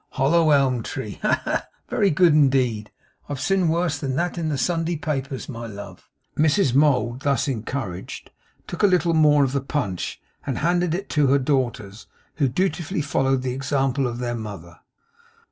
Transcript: Hollow elm tree, eh! Ha, ha! Very good indeed. I've seen worse than that in the Sunday papers, my love.' Mrs Mould, thus encouraged, took a little more of the punch, and handed it to her daughters, who dutifully followed the example of their mother.